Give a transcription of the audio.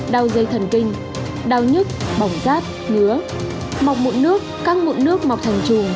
đau dây thần kinh đau nhức bỏng rác ngứa mọc mụn nước căng mụn nước mọc thành trùng